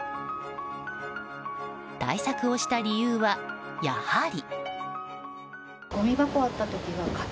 対策をした理由は、やはり。